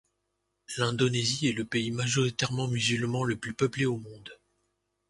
L'Indonésie est le pays majoritairement musulman le plus peuplé au monde.